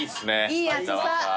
いい厚さ。